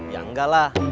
ya enggak lah